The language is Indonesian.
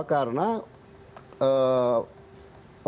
karena orang mengatakan